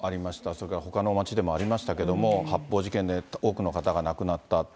それからほかの街でもありましたけども、発砲事件で多くの方が亡くなった。